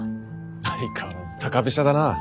相変わらず高飛車だな。